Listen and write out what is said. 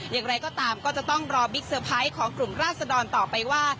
อย่างไรก็ตามก็จะต้องรอบิ๊กเตอร์ไพรส์ของกลุ่มราศดรต่อไปว่า